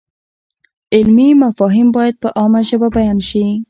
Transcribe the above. علمي مفاهیم باید په عامه ژبه بیان شي.